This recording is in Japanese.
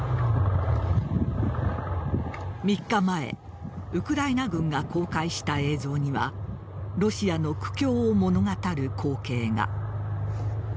３日前ウクライナ軍が公開した映像にはロシアの苦境を物語る光景が。